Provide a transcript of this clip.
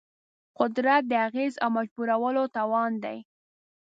قدرت د اغېز او مجبورولو توان دی.